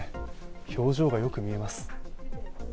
表情がよく見えます。